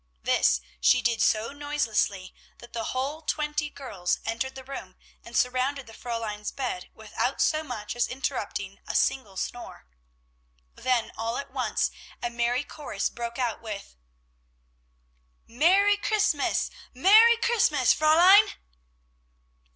This she did so noiselessly, that the whole twenty girls entered the room and surrounded the Fräulein's bed without so much as interrupting a single snore. Then all at once a merry chorus broke out with, "Merry Christmas! Merry Christmas, Fräulein!"